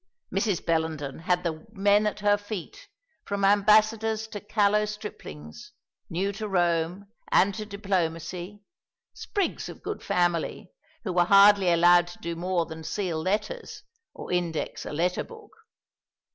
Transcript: Mrs. Bellenden had the men at her feet; from Ambassadors to callow striplings, new to Rome and to diplomacy, sprigs of good family, who were hardly allowed to do more than seal letters, or index a letter book.